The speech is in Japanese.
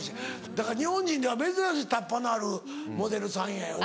だから日本人では珍しいタッパのあるモデルさんやよな。